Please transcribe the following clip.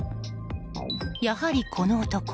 やはり、この男